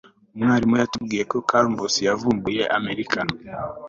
umwarimu yatubwiye ko columbus yavumbuye amerika